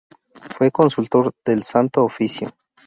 Fue consultor del Santo Oficio.